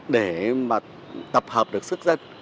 để tập hợp được sức dân